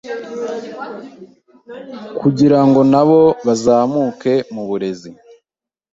kugira ngo nabo bazamuke mu burezi